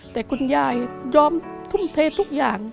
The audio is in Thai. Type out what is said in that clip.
แต่คุณยายยอมทุ่มเททุกอย่าง